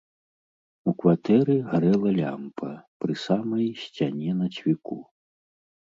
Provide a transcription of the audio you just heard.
У кватэры гарэла лямпа, пры самай сцяне на цвіку.